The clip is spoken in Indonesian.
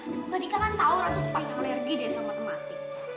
duh kak adhika kan tau ratu kepala yang lergi deh sama matematik